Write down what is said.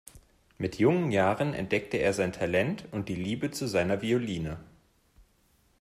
Mit jungen Jahren entdeckte er sein Talent und die Liebe zu seiner Violine.